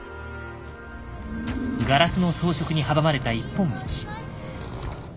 ガラスの装飾に阻まれた一本道。